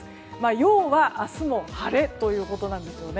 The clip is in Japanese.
要は明日も晴れということです。